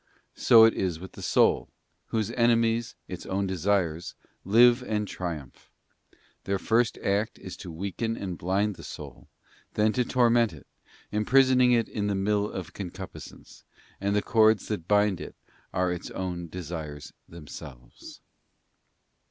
So is it with the soul, whose enemies, its own de sires, live and triumph: their first act is to weaken and blind the soul, then to torment it, imprisoning it in the mill of concupiscence, and the cords that bind it are its own® desires themselves.